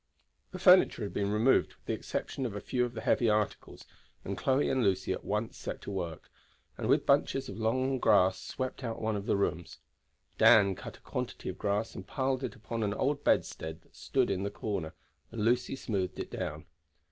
The furniture had been removed with the exception of a few of the heavy articles, and Chloe and Lucy at once set to work, and with bunches of long grass swept out one of the rooms. Dan cut a quantity of grass and piled it upon an old bedstead that stood in the corner, and Lucy smoothed it down.